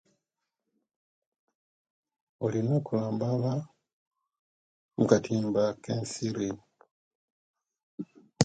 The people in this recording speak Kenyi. Oline okubanga olambala omukatimba ekesiri